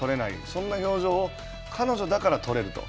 そんな表情を彼女だから撮れると。